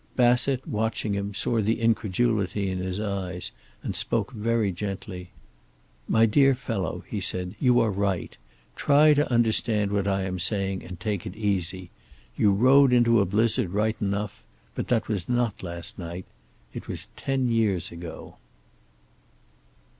Bassett, watching him, saw the incredulity in his eyes, and spoke very gently. "My dear fellow," he said, "you are right. Try to understand what I am saying, and take it easy. You rode into a blizzard, right enough. But that was not last night. It was ten years ago."